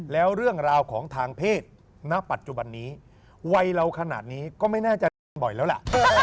แล้วเรื่องราวของทางเพศณปัจจุบันนี้วัยเราขนาดนี้ก็ไม่น่าจะโดนบ่อยแล้วล่ะ